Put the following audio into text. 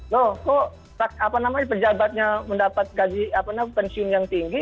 loh kok apa namanya pejabatnya mendapat gaji apa namanya pensiun yang tinggi